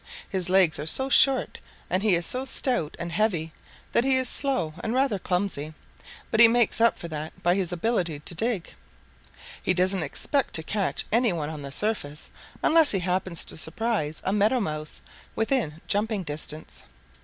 His legs are so short and he is so stout and heavy that he is slow and rather clumsy, but he makes up for that by his ability to dig. He doesn't expect to catch any one on the surface, unless he happens to surprise a Meadow Mouse within jumping distance.